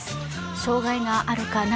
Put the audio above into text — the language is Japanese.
障害があるかな